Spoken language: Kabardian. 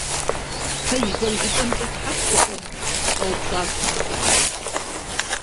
- Пэж зэрыжыпӀэмкӀэ Тхьэ пхуэӀуэну? - щӀэупщӀащ мэлыр.